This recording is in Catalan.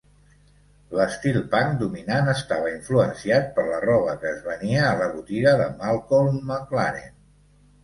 L'estil punk dominant estava influenciat per la roba que es venia a la botiga de Malcolm McLaren.